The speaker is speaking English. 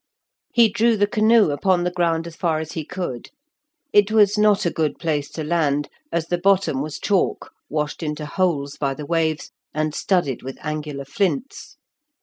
He drew the canoe upon the ground as far as he could. It was not a good place to land, as the bottom was chalk, washed into holes by the waves, and studded with angular flints.